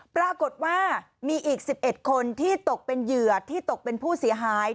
ปรากฏว่ามีอีก๑๑คนที่ตกเป็นเหยื่อที่ตกเป็นผู้เสียหาย